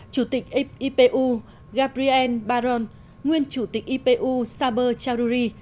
chủ tịch ipu gabriel baron nguyên chủ tịch ipu saber chaudhuri